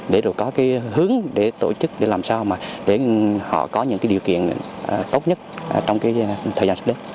để rồi có cái hướng để tổ chức để làm sao mà để họ có những điều kiện tốt nhất trong thời gian sắp đến